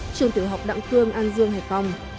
trường tiểu học đặng cương an dương hải phòng